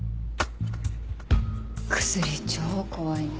薬超怖いね。